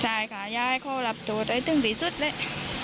ใช่ค่ะยายเขารับโทษให้ถึงที่สุดเลย